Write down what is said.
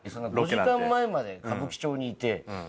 ２時間前まで歌舞伎町にいて。